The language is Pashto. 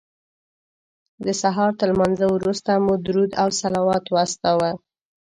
د سهار تر لمانځه وروسته مو درود او صلوات واستاوه.